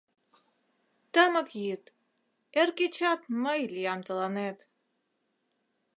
Тымык йӱд, эр кечат Мый лиям тыланет.